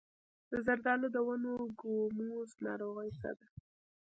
د زردالو د ونو ګوموز ناروغي څه ده؟